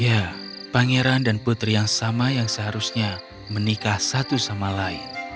ya pangeran dan putri yang sama yang seharusnya menikah satu sama lain